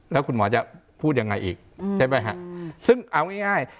แล้วคุณหมอจะพูดยังไงอีกใช่ไหมฮะซึ่งเอาง่าย